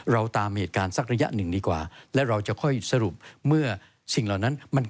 เราตามเหตุการณ์สักระยะหนึ่งดีกว่าและเราจะค่อยสรุปเมื่อสิ่งเหล่านั้นมัน